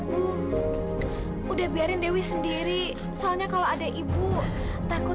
ibu ibu enggak apa apaku